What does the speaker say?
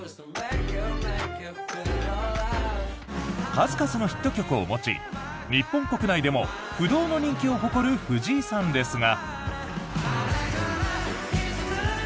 数々のヒット曲を持ち日本国内でも不動の人気を誇る藤井さんですが。